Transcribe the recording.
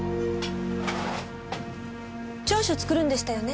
調書作るんでしたよね？